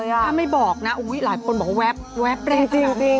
ถ้าไม่บอกนะอุ๊ยหลายคนบอกว่าแวบแรกค่ะ